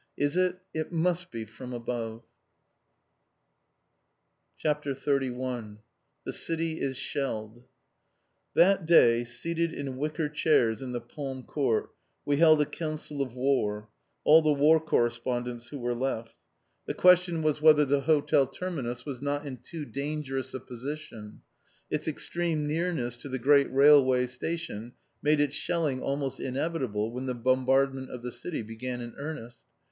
Is it it must be from Above! [Illustration: BELGIAN REFUGEES IN HOLLAND] CHAPTER XXXI THE CITY IS SHELLED That day, seated in wicker chairs in the palm court, we held a counsel of war, all the War Correspondents who were left. The question was whether the Hotel Terminus was not in too dangerous a position. Its extreme nearness to the great railway station made its shelling almost inevitable when the bombardment of the city began in earnest.